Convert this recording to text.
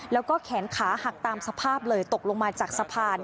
แล้วก็แขนขาหักตามสภาพเลยตกลงมาจากสะพาน